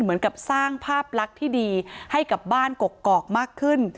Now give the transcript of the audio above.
เหมือนกับสร้างภาพลักษณ์ที่ดีให้กับบ้านกกอกมากขึ้น